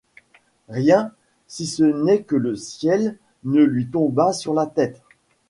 Rien, si ce n’est que le ciel ne lui tombât sur la tête!